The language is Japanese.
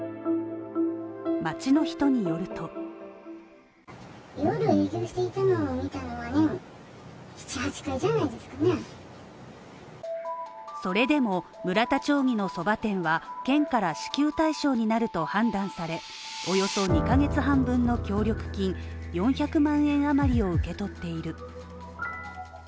町の人によるとそれでも、村田町議のそば店は、県から支給対象になると判断され、およそ２ヶ月半分の協力金４００万円余りを受け取っている。